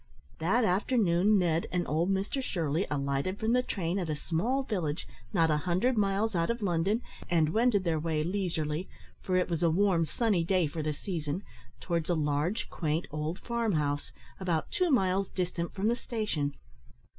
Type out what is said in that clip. That afternoon Ned and old Mr Shirley alighted from the train at a small village not a hundred miles out of London, and wended their way leisurely for it was a warm sunny day for the season towards a large, quaint, old farm house, about two miles distant from the station.